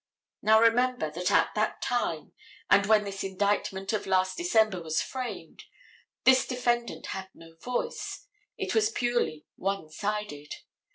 Now remember that at that time, and when this indictment of last December was framed, this defendant had no voice, it was purely one sided.